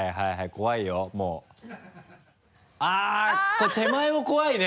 これ手前も怖いね。